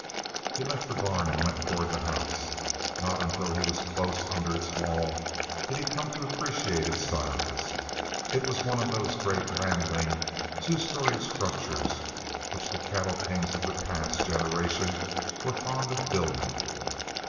He left the barn and went toward the house. Not until he was close under its wall did he come to appreciate its size. It was one of those great, rambling, two storied structures which the cattle kings of the past generation were fond of building.